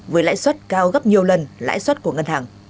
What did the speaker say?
với lãi suất cao gấp nhiều lần lãi suất của ngân hàng